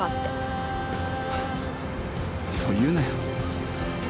フッそう言うなよ。